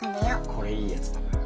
これいいやつだから。